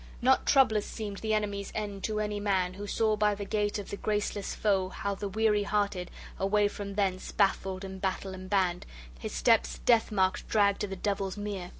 Not troublous seemed the enemy's end to any man who saw by the gait of the graceless foe how the weary hearted, away from thence, baffled in battle and banned, his steps death marked dragged to the devils' mere.